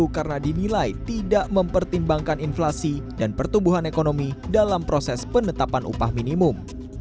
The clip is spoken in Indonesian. karena dinilai tidak mempertimbangkan inflasi dan pertumbuhan ekonomi dalam proses penetapan upah minimum